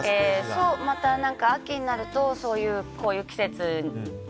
また秋になるとこういう季節。